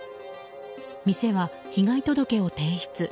店は被害届を提出。